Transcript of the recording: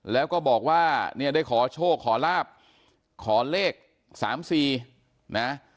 แล้วก็บอกว่าเนี่ยได้ขอโชคขอลาบขอเลข๓๔นะ